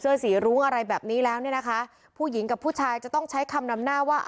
สีรุ้งอะไรแบบนี้แล้วเนี่ยนะคะผู้หญิงกับผู้ชายจะต้องใช้คำนำหน้าว่า